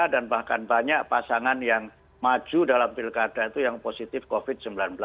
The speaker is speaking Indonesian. dan bahkan banyak pasangan yang maju dalam pilkada itu yang positif covid sembilan belas